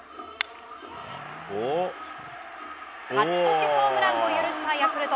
勝ち越しホームランを許したヤクルト。